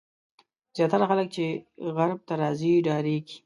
زیاتره خلک چې غرب ته راځي ډارېږي.